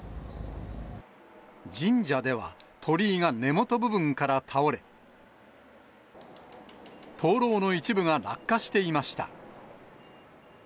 神社では、鳥居が根元部分から倒れ、灯籠の一部が落下していました。